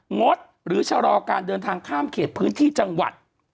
งดหรือชะลอการเดินทางข้ามเขตพื้นที่จังหวัด